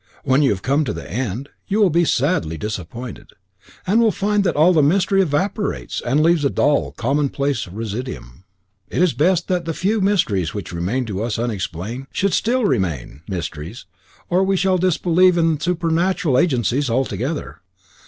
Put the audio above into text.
When you have come to the end, you will be sadly disappointed, and will find that all the mystery evaporates, and leaves a dull, commonplace residuum. It is best that the few mysteries which remain to us unexplained should still remain mysteries, or we shall disbelieve in supernatural agencies altogether.